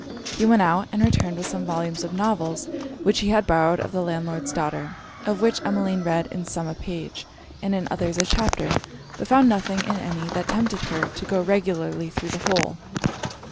He went out, and returned with some volumes of novels, which he had borrowed of the landlord's daughter; of which Emmeline read in some a page, and in others a chapter, but found nothing in any, that tempted her to go regularly through the whole.